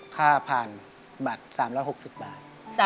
ค่าผ่านบัตร๓๖๐บาท